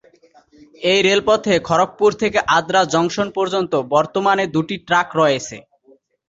এই রেলপথে খড়গপুর থেকে আদ্রা জংশন পর্যন্ত বর্তমানে দুটি ট্র্যাক রয়েছে।